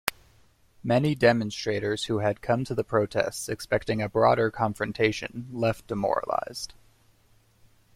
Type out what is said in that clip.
Many demonstrators who had come to the protests expecting a broader confrontation left demoralised.